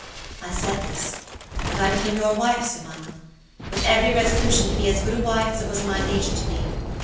I said this, and I became your wife, Sir Michael, with every resolution to be as good a wife as it was in my nature to be.